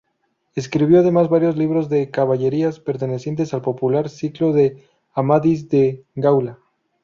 Escribió además varios libros de caballerías pertenecientes al popular ciclo de Amadís de Gaula.